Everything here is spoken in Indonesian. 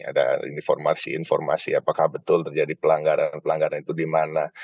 ada informasi informasi apakah betul terjadi pelanggaran pelanggaran itu di mana